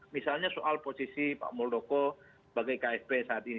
misalnya soal posisi pak muldoko bagai ksp saat ini